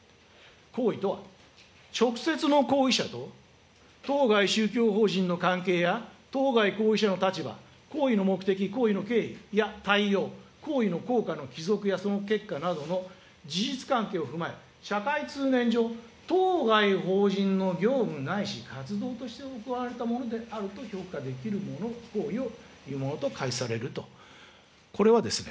行為とは、直接の行為者と、当該宗教法人の関係や当該行為者の立場、行為の目的、行為の経緯や態様、行為の効果や帰属などのその結果などの事実関係を踏まえ、社会通念上、当該法人の業務ないし活動としての行われたものと評価できる行為というものと解されると。